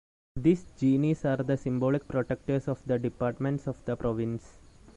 These genies are the symbolic protectors of the departments of the province.